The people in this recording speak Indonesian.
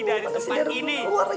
gawat gawat bentar lagi gue bakal berubah